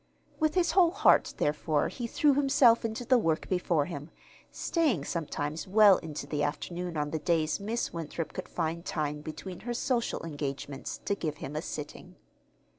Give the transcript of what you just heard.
With his whole heart, therefore, he threw himself into the work before him, staying sometimes well into the afternoon on the days Miss Winthrop could find time between her social engagements to give him a sitting.